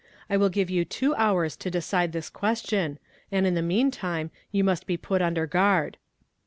I will give you two hours to decide this question, and in the mean time you must be put under guard."